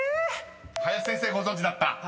［林先生ご存じだった？］